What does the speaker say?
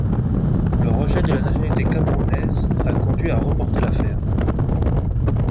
Le rejet de la nationalité camerounaise a conduit à reporter l'affaire.